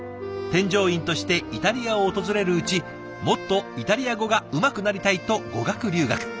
添乗員としてイタリアを訪れるうちもっとイタリア語がうまくなりたいと語学留学。